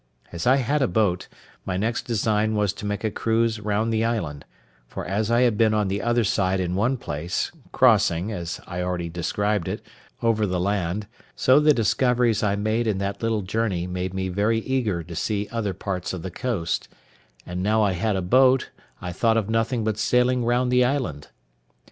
As I had a boat, my next design was to make a cruise round the island; for as I had been on the other side in one place, crossing, as I have already described it, over the land, so the discoveries I made in that little journey made me very eager to see other parts of the coast; and now I had a boat, I thought of nothing but sailing round the island.